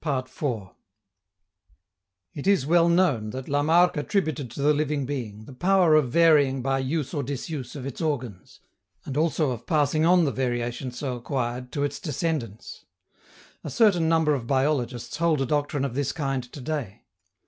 It is well known that Lamarck attributed to the living being the power of varying by use or disuse of its organs, and also of passing on the variation so acquired to its descendants. A certain number of biologists hold a doctrine of this kind to day.